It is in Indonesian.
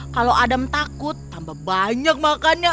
kalau adam takut tambah banyak makannya